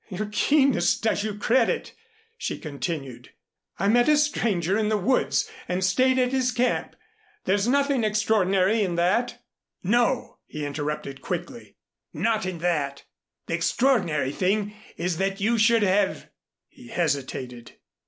"Your keenness does you credit," she continued. "I met a stranger in the woods and stayed at his camp. There's nothing extraordinary in that " "No," he interrupted quickly. "Not in that. The extraordinary thing is that you should have " he hesitated.